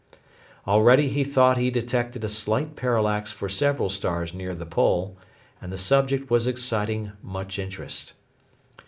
Already he thought he detected a slight parallax for several stars near the pole, and the subject was exciting much interest.